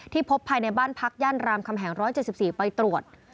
พบภายในบ้านพักย่านรามคำแหง๑๗๔ไปตรวจ